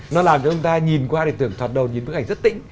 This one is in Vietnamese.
nó làm cho chúng ta nhìn qua thì thật đầu nhìn bức ảnh rất tĩnh